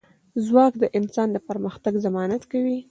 ځواک د انسان د پرمختګ ضمانت کوي.